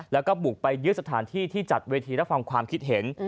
แล้วก็บุกไปยึดสถานที่ที่จัดเวทีรับฟังความคิดเห็น